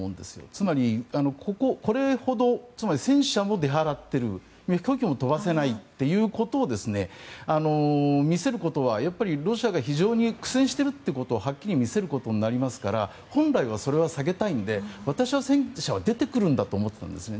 つまり、これほど戦車も出払っている飛行機も飛ばせないということを見せることはやっぱりロシアが非常に苦戦してるってことをはっきり見せることになりますから本来はそれは避けたいので私は戦車は出てくるんだと思っていたんですね。